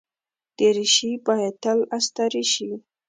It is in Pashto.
دریشي باید تل استری شي.